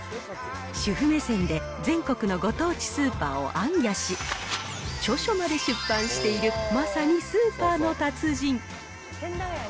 主婦目線で全国のご当地スーパーを行脚し、著書まで出版している、まさにスーパーの達人。